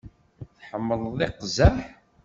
Tḥemmleḍ iqzaḥ?